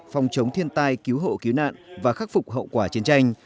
phòng chống thiên tai cứu hộ cứu nạn và khắc phục hậu quả chiến tranh